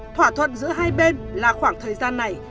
thỏa thuận giữa hai bên là khoảng thời gian này